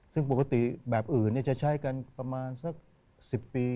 ซึ่งปกติแบบอื่นจะใช้กันประมาณสัก๑๐ปี